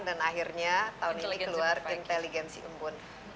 dan akhirnya tahun ini keluar inteligensi mumpun